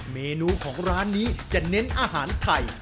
เมนูของร้านนี้จะเน้นอาหารไทย